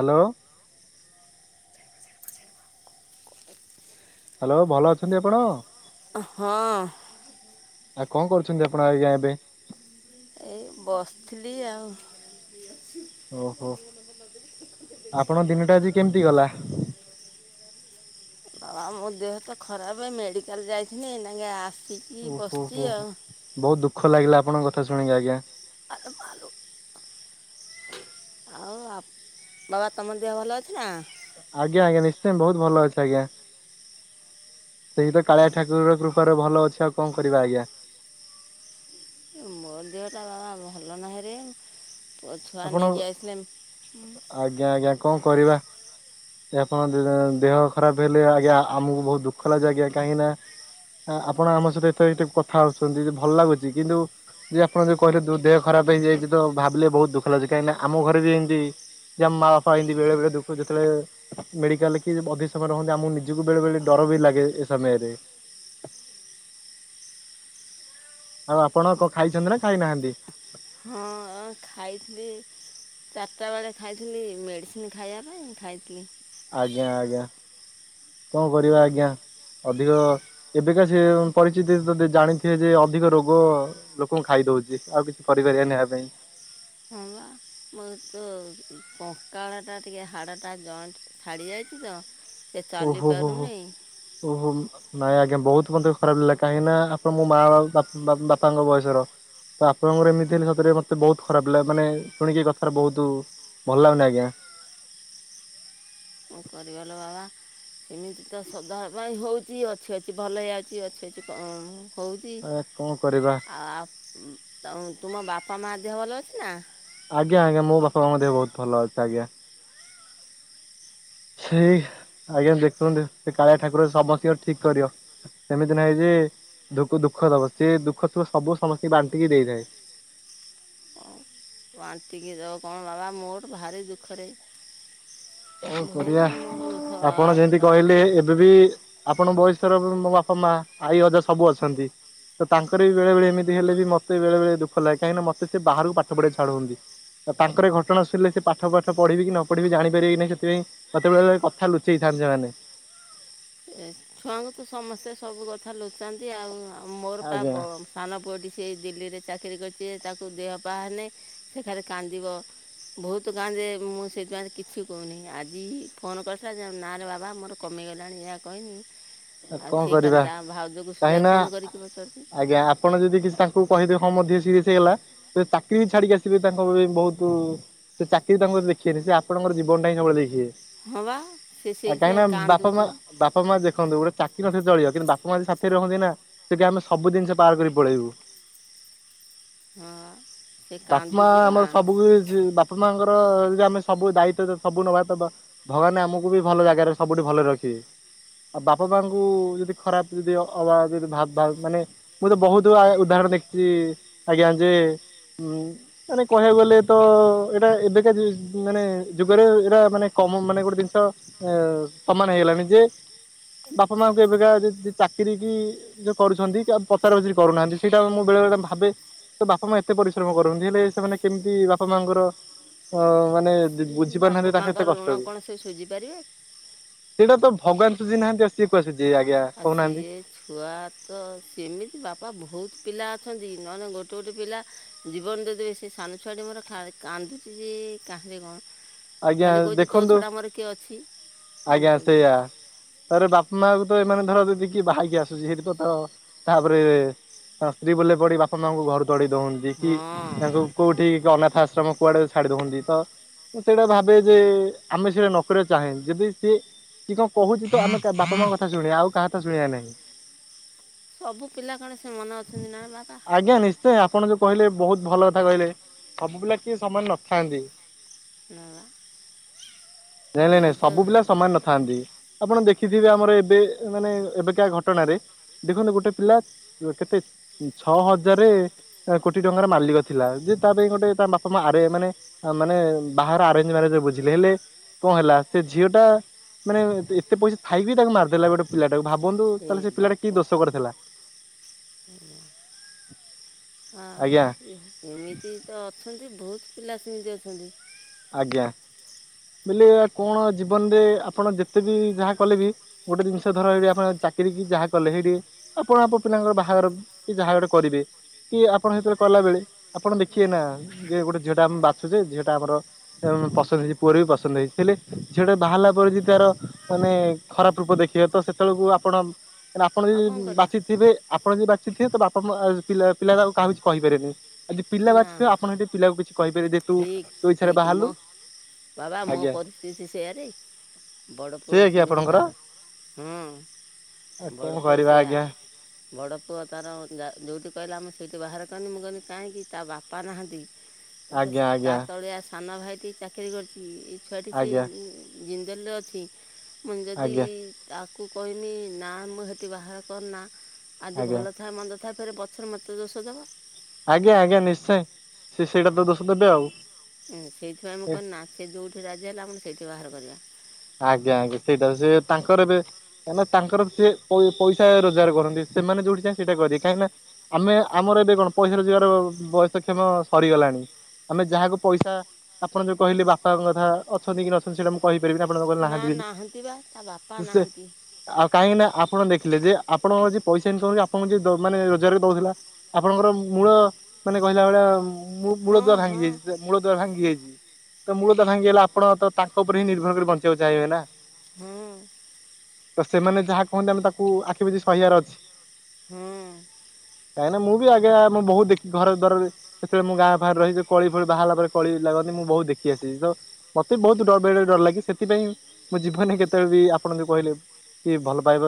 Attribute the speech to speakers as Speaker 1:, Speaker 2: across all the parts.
Speaker 1: Hello. Hello ଭଲ
Speaker 2: ହଁ।
Speaker 1: ଆଉ କଣ କରୁଛନ୍ତି ଆପଣ ଆଜ୍ଞା ଏବେ?
Speaker 2: ଏଇ ବସିଥିଲି ଆଉ
Speaker 1: ଓହୋ ଆପଣ ଦିନଟା ଆଜି କେମିତି ଗଲା?
Speaker 2: ଓହୋ ମୋ ଦେହ ତ ଖରାପ ମେଡିକାଲ ଯାଇଥିନି ଏଇନାକେ ଆସ
Speaker 1: ଓହୋ ହୋ ହୋ ବହୁତ ଦୁଃଖ ଲାଗିଲା ଆପଣଙ୍କ କଥା ଶୁଣିକି ଆଜ୍ଞା।
Speaker 2: ଆଲୋ ମାଲୋ।
Speaker 1: ହୁଁ।
Speaker 2: ଆଉ ବାବା ତମ ଦେହ ଭଲ ଅଛି ନା।
Speaker 1: ଆଜ୍ଞା ଆଜ୍ଞା ନିଶ୍ଚୟ ବହୁତ ଭଲ ଅଛି ଆଜ୍ଞା। ସେଇ ତ କାଳିଆ ଠାକୁର ର କୃପାରୁ ଭଲ ଅଛି ଆଉ କଣ କରିବା ଆଜ୍ଞା।
Speaker 2: ମୋ ଦେହଟା ବାବା ଭଲ ନାହିଁ ରେ ପଛୁଆ ନେଇକି ଯାଇଥିଲେ।
Speaker 1: କଣ କରିବା? ଆପଣ ଦେହ ଖରାପ ହେଲେ ଆଜ୍ଞା ଆମକୁ ବହୁତ ଦୁଃଖ ଲାଗୁଛି ଆଜ୍ଞା କାହିଁକି ନା ଆପଣ ଆମ ସହିତ ଏତେ ଏଠି କଥା ହଉଛନ୍ତି ଯେ ଭଲ ଲାଗୁଛି କିନ୍ତୁ ଯେ ଆପଣ ଯଦି କହିଲେ ଦେହ ଖରାପ ହେଇଯାଇଛି ତ ଭାବିଲେ ବହୁତ ଦୁଃଖ ଲାଗୁଛି କାହିଁକି ଆମ ଘରେ ବି ଏମିତି ଯ ମା ବାପା ଏଇନ୍ତି ବେଳେ ବେଳେ ଦୁଃଖ ଯେତେବେଳେ ମେଡିକାଲ କି ଅଧିକ ସମୟ ରହନ୍ତି ଆମକୁ ନିଜକୁ ବେଳେ ବେଳେ ଡର ବି ଲାଗେ ଏ ସମୟରେ। [inaudible] ଆଉ ଆପଣ କଣ ଖାଇଛନ୍ତି ନା ଖାଇନାହାନ୍ତି?
Speaker 2: ଖାଇଥିଲି ଚାରିଟା ବେଳେ ଖାଇଥିଲି ମେଡ଼ିସିନ ଖାଇବା ପାଇଁ ଖାଇଥିଲି।
Speaker 1: ଆଜ୍ଞା ଆଜ୍ଞା କଣ କରିବା ଆଜ୍ଞା। ଅଧିକ ଏବେକା ସେ ପରିଚିତ ତ ଜାଣିଥିବେ ଯେ ଅଧିକ ରୋଗ ଲୋକଙ୍କୁ ଖାଇ ଦଉଛି ଆଉ କିଛି କରିପାରିବାନି ଆ ପାଇଁ।
Speaker 2: ହଁ ପା ମୋର୍ ତ କଙ୍କାଳ ଟା ଟିକେ ହାଡ ଟା ଜଏଣ୍ଟ ଛାଡି ଯାଇଛି। ତ
Speaker 1: ଓ ହୋ ହୋ ହୋ ଓହୋ। ନାଇଁ ଆଜ୍ଞା ବହୁତ ମତେ ଖରାପ ଲାଗା କାହିଁକି ନା ଆପଣ ମୋ ମା ବା ବାପାଙ୍କ ବୟସର। ତ ଆପଣଙ୍କର ଏମିତି ହେଲେ ସତରେ ମତେ ବହୁତ ଖରାପ ଲାଗା ମାନେ ଶୁଣିକି ଏ କଥାରେ ବହୁତ। ଭଲ ଲାଗୁନି ଆଜ୍ଞା।
Speaker 2: କଣ କରିବା ଲୋ ବାବା। ସେମିତି ତ ସଦା ପାଇଁ ହଉଛି ଅଛି ଅଛି ଭଲ ହେଇଯାଉଛି ଅଛି ଅଛି କଣ? ହଉଛି ଆଉ ତମ ତୁମ ବାପା ମା ଦେହ ଭଲ ଅଛି ନା।
Speaker 1: ଆଜ୍ଞା ଆଜ୍ଞା ମୋ ବାପା ମା ମଧ୍ୟ ବହୁତ ଭଲ ଅଛି ଆଜ୍ଞା। ସେଇ ଆଜ୍ଞା ଦେଖନ୍ତୁ ସେ କାଳିଆ ଠାକୁର ସମସ୍ତଙ୍କୁ ଠିକ କରିବ। ସେମିତି ନାଇଁ ଯେ ଦୁଃଖ ଦୁଃଖ ଦବ ସିଏ ଦୁଃଖ ସୁଖ ସବୁ ସମସ୍ତଙ୍କୁ ବାଣ୍ଟିକି ଦେଇଥାଏ।
Speaker 2: ବାଣ୍ଟିକି ଦବ କଣ ବାବା ମୋର ଭାରି ଦୁଃଖରେ।
Speaker 1: କଣ କରିବା ଆପଣ ଯେମିତି କହିଲେ ଏବେ ବି ଆପଣ ବୟସର ମୋ ବାପା ମା ଆଈ ଅଜା ସବୁ ଅଛନ୍ତି। ତ ତାଙ୍କର ବି ବେଳେ ଏମିତି ହେଲେ ବି ମତେ ବେଳେ ଦୁଃଖ ଲାଗେ କାହିଁକି ନା ମତେ ସେ ବାହାରକୁ ପାଠ ପଢିବାକୁ ଛାଡୁଛନ୍ତି। ତ ତାଙ୍କର ଘଟଣା ଶୁଣିଲେ ସେ ପାଠ ପାଠ ପଢିବି କି ନ ପଢିବି ଜାଣିପାରିବି କି ନାଇଁ? ସେଥିପାଇଁ କେତେବେଳେ କଥା ଲୁଚେଇଥାନ୍ତେ ସେମାନେ।
Speaker 2: ଛୁଆ ଙ୍କୁ ତ ସମସ୍ତେ ସବୁ କଥା ଲୁଚାନ୍ତି ଆଉ ମୋର ପା ସାନ ପୁଅଟି ସେ ଦିଲ୍ଲୀରେ ଚାକିରି କରିଛି ତାକୁ ଦେହ ପା ହେଲେ ସେ ଖାଲି କାନ୍ଦିବ। ବହୁତ କାନ୍ଦେ ମୁଁ ସେଇଥିପାଇଁ କିଛି କହୁନି ଆଜି ଫୋନ କରିଥିଲା ଯେ ନାରେ ବାବା ମୋର କମି ମି ଗଲାଣି ଏହା କହିଲି।
Speaker 1: କଣ କରିବା କାହିଁ ନା ଆଜ୍ଞା ଆପଣ ଯଦି କିଛି ତା ଙ୍କୁ କହିଦେବେ ହଁ ମୋ ଦେହ ସିରିଏସ୍ ହେଇଗଲା ଚାକିରି ଛାଡି଼କି ଆସିବେ ତାଙ୍କ ବହୁତ୍ ସେ ଚାକିରି ତାର [unintelligible] ସେ ଆପଣଙ୍କ ଜୀବନ ଟା ହିଁ ସବୁବେଳେ ଦେଖିବେ। ଆ କାହିଁକି ନା ବାପା ମା ବାପା ମା ଦେଖନ୍ତୁ ଗୋଟେ ଚାକିରି ନଥିଲେ ଚଳିବ କିନ୍ତୁ ବାପା ମା ସାଥିରେ ରହନ୍ତି ନା ସେ କି ଆମେ ସବୁ ଜିନିଷ ପାର କରି ପଳେଇବୁ। ବାପା ମା ଆମର ସବୁଛି ବାପା ମାଙ୍କର ଯଦି ଆମେ ସବୁ ଦାୟିତ୍ୱ ସବୁ ନବା ତ ଭଗବାନ ଆମକୁ ବି ଭଲ ଜାଗାରେ ସବୁଠି ଭଲରେ ରଖିବେ। ଆଉ ବା ବାପା ମାଙ୍କୁ ଯଦି ଖରାପ ଯଦି ଅଭାବ ଯଦି ଭାବ ଭାବ ମାନେ ମୁଁ ତ ବହୁତ୍ ଉଦାହରଣ ଦେଖିଛି। ଆଜ୍ଞା ଯେ ହୁଁ ମାନେ କହିବାକୁ ଗଲେ ତ ଏଇଟା ଏବେକା ମାନେ ଯୁଗରେ ଏଇଟା ମାନେ ତମ ମାନେ ଗୋଟେ ଜିନିଷ ସମାନ ହେଇଗଲାଣି ଯେ ବାପା ମାଙ୍କୁ ଏବେକା ଚାକିରୀ କି ଯୋଉ କରୁଛନ୍ତି ପଚାର ଉଚାରି କରୁନାହାନ୍ତି ସେଇଟା ମୁଁ ବେଳେ ବେଳେ ଭାବେ ତ ବାପା ମା ଏତେ ପରିଶ୍ରମ କରନ୍ତି ହେଲେ ସେମାନେ କେମିତି ବାପା ମାଙ୍କର ଅ ମାନେ ବୁଝିପାରୁନାହାନ୍ତି ତାଙ୍କୁ କେତେ କଷ୍ଟ ହୁଏ। ସେଇଟା ତ ଭଗବାନ ସୁଜି ନାହାନ୍ତି [unintelligible]
Speaker 2: ଆଉ ସିଏ ଛୁଆ ତ ସେମିତି ବାପା ବହୁତ୍ ପିଲା ଅଛନ୍ତି ନହେଲେ ଗୋଟେ ଗୋଟେ ପିଲା ଜୀବନ ଦେଇଦେବେ ସେ ସାନ ଛୁଆଟି ମୋର କା କାନ୍ଦୁଛି [unintelligible]
Speaker 1: ଆଜ୍ଞା ଦେଖନ୍ତୁ ଆଜ୍ଞା ସେଇୟା ତାର ବାପା ମା ତ ଏମାନେ ଧର ଯଦି କିଏ ବାହାହେଇକି ଆସୁଛି [unintelligible] ତ ତାପରେ ହଁ ସ୍ତ୍ରୀ ବୋଲୋରେ ପଡି ବାପା ମାଙ୍କୁ ଘରୁ ତଡ଼ି ଦଓନ୍ତି କି ତାଙ୍କୁ କୋଉଠି ଅନାଥ ଆଶ୍ରମ କୁଆଡ଼େ ଛାଡି ଦଓନ୍ତି ତ। ମୁଁ ସେଇଟା ଭାବେ ଯେ ଆମେ ସେଇଟା ନକରିବା ଚାହେଁ ଯଦି ସିଏ କି କଣ କହୁଛି ତ ଆମେ ବାପା ମାଙ୍କ କଥା ଶୁଣିବା ଆଉ କାହା ତ ଶୁଣିବାର ନାହିଁ।
Speaker 2: ସବୁ ପିଲା କଣ ସେ ମନେ ଅଛନ୍ତି ନା ବାବାା
Speaker 1: ବହୁତ୍ ଭଲ କଥା କହିଲେ ସବୁ ପିଲା କିଏ ସମାନ ନଥାନ୍ତି। ନାଇଁ ନାଇଁ ନାଇଁ ସବୁ ପିଲା ସମାନ ନଥାନ୍ତି ଆପଣ ଦେଖ ଦେଖିଥିବେ ଆମର ଏବେ ମାନେ ଏବେକା ଘଟଣାରେ ଦେଖନ୍ତୁ ଗୋଟେ ପିଲା କେତେ ଛଅ ହଜାରେ କୋଟି ଟଙ୍କାର ମାଲିକ ଥିଲା। ତା ପାଇଁ ଗୋଟେ ତା ବାପା ମା ଆରେ ମାନେ ମାନେ ବାହାଘର ଆରେଞ୍ଜ ମ୍ୟାରେଜ୍ ରେ ବୁଝିଲେ ହେଲେ କଣ ହେଲା ସେ ଝିଅ ଟା ମାନେ ଏତେ ପଇସା ଥାଇବି ତାକୁ ମାରିଦେଲା ଗୋଟେ ପିଲା ଭାବନ୍ତୁ ତାହଲେ ସେ ପିଲାଟା କି ଦୋଷ କରିଥିଲା।
Speaker 2: ହଁ ଏମିତି ତ ଅଛନ୍ତି ବହୁତ ପିଲା ସେମିତି ଅଛନ୍ତି।
Speaker 1: ଆଜ୍ଞା। ବୋଲି କଣ ଜୀବନରେ ଆପଣ ଯେତେ ବି ଯାହା କଲେ ବି ଗୋଟେ ଜିନିଷ ଧର ଏଇଠି ଆପଣ ଚାକିରୀ କି ଯାହା କଲେ ସେଇଠି ଆପଣ ଆପଣ ପିଲାଙ୍କର ବାହାଘର କି ଯାହା ଗୋଟେ କରିବେ। କି ଆପଣ ସେତବେଳେ କଲା ବେଳେ ଆପଣ ଦେଖିବେ ନା ଯେ ଗୋଟେ ଝିଅଟା ଆମେ ବାଛୁଛେ ଝିଅଟା ଆମର ପସନ୍ଦ ହେଇଛି ପୁଅର ବି ପସନ୍ଦ ହେଇଛି ହେଲେ ଝିଅଟା ବାହାହେଲା ପରେ ଯେ ତାର ମାନେ ଖରାପ ରୂପ ଦେ ଦେଖିବେ ତ ସେତେବେଳକୁ ଆପଣ ଆପଣ ହିଁ ବାଛିଥିବେ ଆପଣ ଯଦି ବାଛିଥିବେ ତ ବାପା ପିଲା ପିଲା କାହା କିଛି କହିପାରିବେନି। ଯଦି ପିଲା ବାଛିଥିବେ ଆପଣ ହେଟି ପିଲାକୁ କିଛି କହିପାରିବେ ଯେ ତୁ
Speaker 2: ମୋ ବାବା ମୋ ପରିସ୍ଥିତି ସେଇଆରେ। ବଡ଼ ପୁଅ ସେିମିତି ତାର ହଁ। ବଡ଼ ପୁଅ ସେଆ ବଡ଼ ପୁଅ ତାର ଯୋଉଠି କହିଲା ମୁଁ ସେଇଠି ବାହାର କନି ମୁଁ କଲିି କାହିଁକି ତା ବାପା ନାହାନ୍ତି ତା ତଳେ ଆସି ସାନ ଭାଇଟି ଚାକିରି କରିଛି ଏ ଛୁଆଟି ସେ ଜିନ୍ଦଲରେ ଅଛି। ମୁଁ ଯଦି ତାକୁ କହମି ନା ମୁଁ ହେତି ବାହା କରନା ଆଜି ଭଲ ଥାଏ ମନ୍ଦ ଥାଏ ଫେରେ ପଛରେ ମତେ ଦୋଷ ଦବ।
Speaker 1: ଆଜ୍ଞା ଆଜ୍ଞା ନିଶ୍ଚୟ ସେ ସେଇଟା ତ ଦୋଷ ଦେବେ ଆଉ।
Speaker 2: ସେଇଥିପାଇଁ ଆମେ କ ନା ସେ ଯୋଉଠି ରାଜି ହେଲା ଆପଣ ସେଇଠି ବାହାର କରିବା।
Speaker 1: ଆଜ୍ଞା ଆଜ୍ଞା ସେଇଟା ସେ ତାଙ୍କର ଏବେ ମ ତାଙ୍କର ସେ ପଇସା ରୋଜଗାର କରନ୍ତି। ସେମାନେ ଯୋଉଠି ଚାହିଁବେ ସେଇଟା କରିବେ। କାହିଁକିନା ଆମେ ଆମର ଏବେ କଣ ପଇସା ରୋଜଗାର ବୟସ କ୍ଷମ ସରିଗଲାଣି। ଆମେ ଯାହାକୁ ପଇସା ଆପଣ ଯୋଉ କହିଲେ ବାପାଙ୍କ କଥା ଅଛନ୍ତି କି ନଛନ୍ତି ସେଇଟା ମୁଁ କହିପାରିବି ନା ପଣ ନାହାନ୍ତି ବୋଲି ସେ ଆଉ କାହିଁକି ନା ଆପଣ ଦେଖିଲେ ଯେ ଆପଣଙ୍କର ଯିଏ ପଇସା ଇନକମ୍ କରି ଆପଣଙ୍କୁ ଯିଏ ମାନେ ରୋଜଗାର କରି ଦଉଥିଲା ଆପଣଙ୍କର ମୂଳ ମାନେ କହିଲା ଭଳିଆ ମୂଳ ଦୁଆ ଭାଙ୍ଗି ଯାଇଛି ମୂଳ ଦୁଆ ଭାଙ୍ଗି ଯାଇଛି। ତ ମୂଳଦୁଆ ଭାଙ୍ଗିଗଲା ଆପଣତ ତାଙ୍କ ଉପରେ ହିଁ ନିର୍ଭର କରି ବଞ୍ଚିବାକୁ ଚାହିଁବେ ନା?
Speaker 2: ହୁଁ।
Speaker 1: ତ ସେମାନେ ଯାହା କୁହନ୍ତି ଆମେ ତାକୁ ଆଖି ବୁଜି ସହିବାର ଅଛି।
Speaker 2: ହୁଁ।
Speaker 1: କାହିଁକିନା ମୁଁ ବିଆଗେ ବହୁତ ଦେଖିଛି ଘର ଦ୍ୱାରରେ, ଯେତେବେଳେ ମୁଁ ଗାଁ ବାହାରେ ରହିଛି କଳି ଫଳି ବାହାରିଲା ପରେ କଳି ଲାଗନ୍ତି। ମୁଁ ବହୁତ ଦେଖି ଆସିଛି ତ ମତେ ବି ବହୁତଡ ବେଳେ ବେଳେ ଡର ଲାଗେ ସେ ସେଥିପାଇଁ ମୋ ଜୀବନରେ କେତେବେଳେ ବି ଆପଣ ଯୋଉ କହିଲେ କି ଭଲ ପାଇବା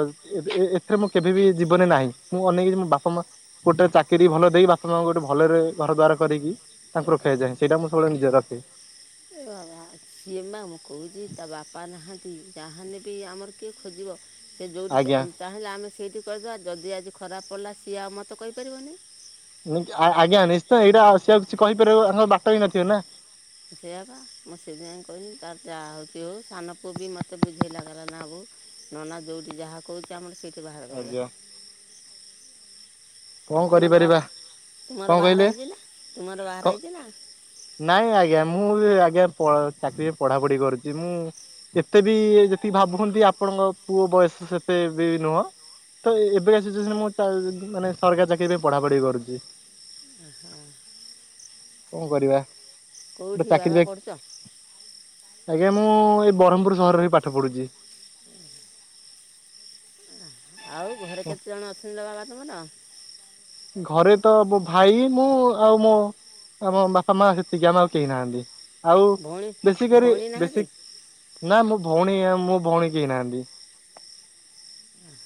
Speaker 1: ଏଥିରେ ମୁଁ କେବେ ବିି ଯିବନରେ ନାହିଁ ମୁଁ ଅନେଇକି ଅଛି ମୋ ବାପା ମା ଗୋଟେ ଚାକିରି ଭଲ ଦେଇ ବାପା ମାଆଙ୍କୁ ଗୋଟେ ଭଲରେ ଘର ଦ୍ୱାର କରିକି ତାଙ୍କୁ ରଖିବା ପାଇଁ ଚାହେଁ। ସେଇଟା ମୁଁ ସବୁବେଳେ ନିଜେ ରଖ [unintelligible]
Speaker 2: [unintelligible] ମୁଁ କହୁଛି ତା ବାପା ନାହାଁନ୍ତି ଯାହା ହେଲେବି ଆମର କିଏ ଖୋଜିବ। ସେ ଯୋଉଠି ତାହେଲେ ଆମେ ସେଇଠି କରିଦେବା ଯଦି ଆଜି ଖରାପ ପଡ଼ିଲା ସିଏ ଆଉ ମୋତେ କହିପାରିବନି।
Speaker 1: ଆଜ୍ଞା ନିଶ୍ଚୟ ଏଇଟା ସେ ଆଉ କିଛି କହିପାରିବ ତାର ବାଟ ବି ନଥିବ ନା।
Speaker 2: ସେଇଆ ପା ମୁଁ ସେଥିପାଇଁ କହିଲି ତାର ଯାହା ହେଉଛି ହେଉ ସାନ ପୁଅ ବି ମୋତେ ବୁଝେଇ ଲାଗିଲା ନା ବୋଉ ନନା ଯଉଠି ଯାହା କହୁଛି ଆମର ସେଇଠି ବାହାଘର କରିବା। ଆଉ ତୁମର ବାବା ତୁମର ବାହାଘର ହେଇଛି ନା ତୁମର ବାହାଘର ହେଇଛି ନା?
Speaker 1: ମୁଁ ବି ଆଜ୍ଞା ପ ଚାକିରୀ ପଢା ପଢି କରୁଛି ମୁଁ ଏତେ ବି ଯେତିକି ଭାବୁଛନ୍ତି ଆପଣଙ୍କ ପୁଅ ବୟସ ସେତେ ବି ନୁହଁ। ତ ଏଭଳିଆ ସିଚୁଏସନ୍ ମୁଁ ଚା ମାନେ ସରକାରୀ ଚାକିରି ପାଇଁ ପଢାପଢି କରୁଛି କଣ କରିବା।
Speaker 2: କେଉଁଠି ବାବା ପଢ଼ୁଛ?
Speaker 1: ଆଜ୍ଞା ମୁଁ ଏଇ ବରହ୍ମପୁର ସହରରେ ହିଁ ପାଠ ପଢୁଛି।
Speaker 2: ଆଉ ଘରେ କେତେଜଣ ଅଛନ୍ତି ବାବା ତୁମର?
Speaker 1: ଘରେ ତ ମୋ ଭାଇ ମୁଁ ଆଉ ମୋ ଆମ ବାପା ମା ସେତିକି ଆମର ଆଉ କେହି ନାହାନ୍ତି। ଆଉ ବେଶୀ କରି ବେଶୀ ନା ମୁଁ ଭଉଣୀ ଆ ମୁଁ ଭଉଣୀ କେହି ନାହାନ୍ତି।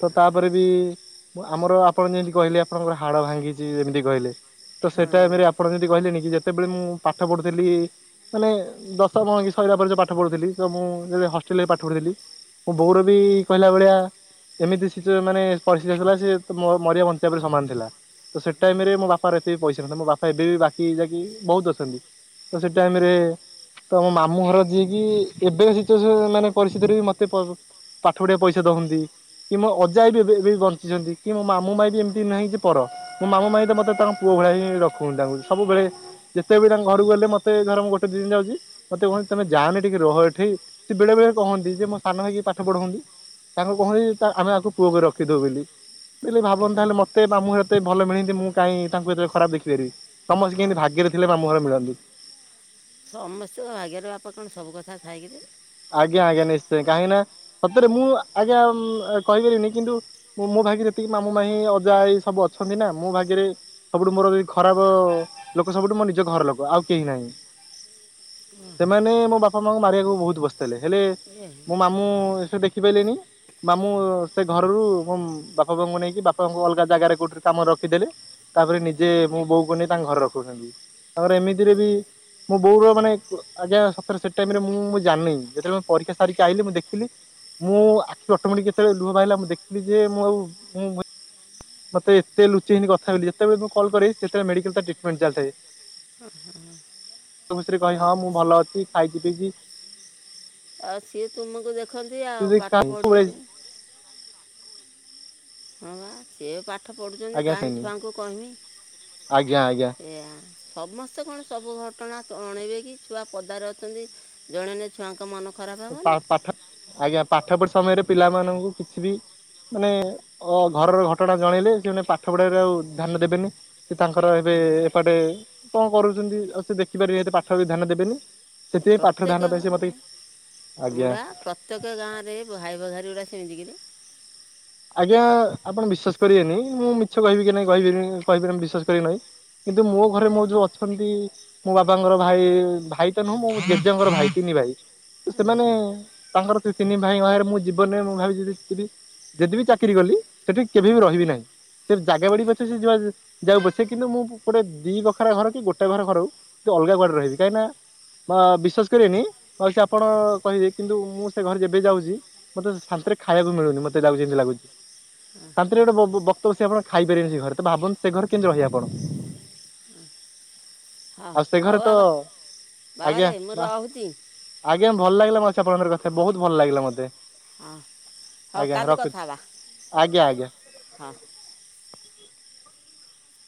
Speaker 1: ତ ତାପରେ ବି ଆମର ଆପଣ ଯେମିତି କହିଲେ ଆପଣଙ୍କର ହାଡ ଭାଙ୍ଗିଛି ଯେମିତି କହିଲେ। ତ ସେ ଟାଇମ୍ ରେ ଆପଣ ଯେମିତି କହିଲେନି ଯେତେବେଳେ ମୁଁ ପାଠ ପଢୁଥିଲି ମାନେ ଦଶମ ଇଙ୍ଗ ସଇଲା ପରେ ଯୋଉ ପାଠ ପଢୁଥିଲି ତ ମୁଁ ହଷ୍ଟେଲରେ ପାଠ ପଢୁଥିଲି। ମୁଁ ବୋଉର ବି କହିଲା ଭଳିଆ ଏମିତି ସିଚୁଏ ମାନେ ପରିସ୍ଥିତି ଆସିଥିଲା ସେ ମରିବା ବଞ୍ଚିବା ପରି ସମାନ ଥିଲା। ତ ସେ ଟାଇମ୍ ରେ ମୋ ବାପାର ଏତେ ବି ପଇସା ନଥିଲା ମୋ ବାପା ଏବେ ବି ବାକି ଯାଇକି ବହୁତ ଅଛନ୍ତି। ତ ସେ ଟାଇମରେ ତ ଆମ ମାମୁଁ ଘର ଯିଏକି ଏବେ ସିଚୁଏସନ ମାନେ ପରିସ୍ଥିତିରେ ବି ମତେ ପାଠ ପଢିବା ପଇସା ଦ ନ୍ତି କି ମୋ ଅଜା ଆଇ ବି ଏବେ ବି ବଞ୍ଚିଛନ୍ତି କି ମୋ ମାମୁ ମାଇଁ ବି ଏମିତି ନାହିଁ ଯେ ପର ମୋ ମାମୁ ମାଇଁ ତ ମତେ ତାଙ୍କ ପୁଅ ଭଳିଆ ହିଁ ରଖୁଛନ୍ତି ତାଙ୍କୁ ସବୁବେଳେ ଯେତେବେଳେ ବି ତାଙ୍କ ଘରକୁ ଗଲେ ମତେ ଧର ମୁଁ ଗୋଟେ ଦି ଦିନ ଯାଉଛି ମତେ କୁହନ୍ତି ତମେ ଯାଅନି ଟିକେ ରୁହ ଏଠି। ସେ ବେଳେ ବେଳେ କହନ୍ତି ଯେ ମୋ ସାନ ହେଇକି ପାଠ ପଢନ୍ତି। ତାଙ୍କୁ କହନ୍ତି ଆମେ ଆକୁ ପୁଅକୁ ରଖିଥଉ ବୋଲି। ସେ ଭାବନ୍ତତା ତାହେଲେ ମତେ ବା ମୁଁ ଏତେ ଭଲ ମିଳିନ୍ତି ମୁଁ କାଇହିଁ ତାଙ୍କୁ ଏତେ ଖରାପ ଦେଖିପାରିବି। ସମସ୍ତେ କେମିତି ଭାଗ୍ୟରେ ଥିଲେ ମାମଁ ଘରେ ମିଳନ୍ତି।
Speaker 2: ସମସ୍ତଙ୍କ ଭାଗ୍ୟର ବାପା କଣ ସବୁ କଥା ଥାଇକିରେ।
Speaker 1: ଆଜ୍ଞା ଆଜ୍ଞା ନିଶ୍ଚୟ କାହିଁକି ନା ସତରେ ମୁଁ ଆଜ୍ଞା କହିପାରିନି କିନ୍ତୁ ମୁଁ ଭାଗ ଯେତିକି ମାମୁ, ମାଇଁ, ଅଜା, ଆଈ ସବୁ ଅଛନ୍ତି ନା ମୁଁ ଭାଗିରେ ସବୁଠୁ ମୋର ଖରାପ ଅ ଲୋକ ଲୋକ ସବୁଠୁ ମୋ ନିଜ ଘର ଲୋକ ଆଉ କେହି ନାହିଁ ସେମାନେ ମୋ ବାପା ମାଙ୍କୁ ମାରିବାକୁ ବହୁତ ବ ହେଲେ ମୋ ମାମୁଁ ଏସ ଦେଖି ପାରିଲେଣି। ମାମୁଁ ସେ ଘରରୁ ମୋ ବାପା ବାଙ୍କୁ ନେଇକି ବାପା ବାଙ୍କୁ ଅଲଗା ଜାଗାରେ ଗୋଉଠି କାମ ରଖିଦେଲେ। ତାପରେ ନିଜେ ମୁଁ ବୋଉକୁ ନେଇ ତାଙ୍କ ଘରେ ରଖୁଛନ୍ତି, ତାଙ୍କରେ ଏମିତିରେ ବି ମୁଁ ବୋଉ ର ମାନେ ଆଜ୍ଞା ସତ ସେ ଟାଇରେ ମୁଁ ମୁ ଜାଣିନି। ଯେତେବେ ମୁଁ ପରୀକ୍ଷା ସାରିକ ଆଇିଲି ମୁଁ ଦେଖିଲି ମୁଁ ଆଖିରୁ ଅଟୋମେଟିକ କେତେବେଳେ ଲୁହ ବାହାରିଲା ମୁଁ ଦେଖିଲି ଯେ ମୁଁ ଆଉ ମୁଁ- ମୋତେ ଏତେ ଲୁଚେଇଛି କଥା ବୋଲି ଯେତବେଳେ ମୁଁ କଲ କରେ ସେତବେଳେ ମେଡିକାଲ ତାର ଟିଟମେଣ୍ଟ ଚାଲିଥାଏ। ହସ ଖୁସିରେ କହେ ହଁ ମୁଁ ଭଲ ଅଛି ଖାଇଛି ପିଇଛି।
Speaker 2: ଆଉ ସିଏ ତୁମକୁ ଦେଖନ୍ତି ଆଉ ପାଠ ପଢୁଛି। ହଁ ବା ସିଏ ପାଠ ପଢୁଚନ୍ତି ଯେ କାହିଁକ ଛୁଆଙ୍କୁ କହିମି। ଏଇୟା ସମସ୍ତେ କଣ ସବୁ ଘର୍ ଟଣା ଚ ଅଣେଇବେ କି ଛୁଆ ପଦାରେ ଅଛନ୍ତି। ଜଣେଇ ନେ ଛୁଆଙ୍କ ମନ
Speaker 1: ପା-ପାଠ ଆଜ୍ଞା ପାଠ ପଢା ସମୟରେ ପିଲାମାନଙ୍କୁ କିଛି ବି ମାନେ ଅ ଘରର ଘଟଣା ଜଣେଇଲେ ସେମାନେ ପାଠ ପଢାରେ ଆଉ ଧ୍ୟାନ ଦେବେନି। ସେ ତାଙ୍କର ଏବେ ଏପଟେ କଣ କରୁଚନ୍ତି ଆଉ ସେ ଦେଖିପାରିବେ ଏତେ ପାଠରେ ବି ଧ୍ୟାନ ଦେବେନି। ସେଥିପାଇଁ ପାଠରେ ଧ୍ୟାନ ପାଇଁ ସେ ମତେ
Speaker 2: ବୁଢା ପ୍ରତ୍ୟେକ ଗାଁରେ ଭାଇ ଭଘାରି ଗୁରା ସେମିତି କିରେ?
Speaker 1: ଆଜ୍ଞା ଆପଣ ବିଶ୍ଵାସ କରିବେନି। ମୁଁ ମିଛ କହିବି କି ନାଇଁ କହିବିନି କହିବି ତମେ ବିଶ୍ଵାସ କରିବ ନାଇ। କିନ୍ତୁ ମୋ ଘରେ ମୋର ଯୋଉ ଅଛନ୍ତି ମୋ ବାବାଙ୍କର ଭାଇ ଭାଇ ତ ନୁହଁ ମୋ ଜେଜେଙ୍କର ଭାଇ ତିନି ଭାଇ ତ ସେମାନେ ତାଙ୍କର ସେ ତିନି ଭାଇ ଭାଇରେ ମୁଁ ଜୀବନରେ ମୁଁ ଭାବି ଯଦିି ଥିବି [unintelligible] ଯଦି ବି ଚାକିରି କଲି ସେଠି କେବେ ବିି ରହିବି ନାହିଁ। ସେ ଜାଗା ବାଡି ପଛେ ସେ ଯୁଆଡେ ଯାଉ ପଛେ କିନ୍ତୁ ମୁଁ ଗୋଟେ ଦି ବଖରା ଘର କି ଗୋଟେ ଘର ଘର ହୋଉ। ଅଲଗା କୁଆଡେ ରହିବି କାହିଁକ ନା ବା ବିଶ୍ଵାସ କରିବେନି ଆଉ ସେ ଆପଣ କହିବେ କିନ୍ତୁ ମୁଁ ସେ ଘରେ ଯେବେ ଯାଉଚି ମତେ ଶା ନ୍ତିରେ ଖାଇବାକୁ ମିଳୁନି ମତେ ଲାଗୁଚି ଏମିତି ଲାଗୁଚି। ଶାନ୍ତିରେ ଗୋଟେ ବ-ବ ବକ୍ତ ବସି ଆପଣ ଖାଇପାରିବେି ସେ ଘରେ ତ ଭାବୁନ୍ତ ସେ ଘରେ କେମିତି ରହିବେ ଆପଣ।
Speaker 2: ଉଁଃ [unintelligible] ହଁ ହୋଉ ବାବା ବାବାରେରେ ମୁଁ ରହୁଚି।
Speaker 1: ଭଲ ଲାଗିଲା ମାଉସି ଆପଣଙ୍କର କଥା ବୋହୁତ ଭଲ ଲାଗିଲା ମତେ। ଆଜ୍ଞା ରଖୁଚି ଆଜ୍ଞା ଆଜ୍ଞା।।